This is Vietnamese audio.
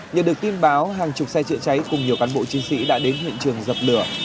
nhờ được tin báo hàng chục xe trựa cháy cùng nhiều cán bộ chiến sĩ đã đến huyện trường dập lửa